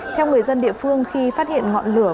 theo người dân địa phương khi phát hiện ngọn lửa